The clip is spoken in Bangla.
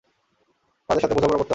তাদের সাথে বোঝাপড়া করতে হবে।